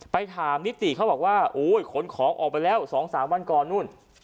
ไปถามนิติเขาบอกว่าโอ้ยขนของออกไปแล้ว๒๓วันก่อนนู่น